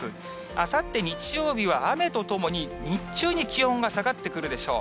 あさって日曜日は、雨とともに、日中に気温が下がってくるでしょう。